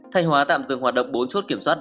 thanh hóa tạm dừng hoạt động bốn chốt kiểm soát